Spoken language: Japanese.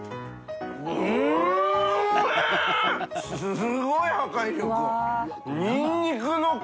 すごい破壊力！